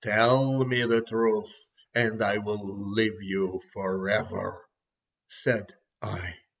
Tell me the truth and I will leave you forever," said I.